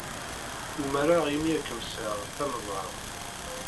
Umareɣ imi ay kem-sɛiɣ d tamezrawt.